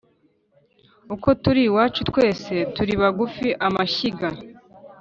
Uko turi iwacu twese turi bagufi-Amashyiga.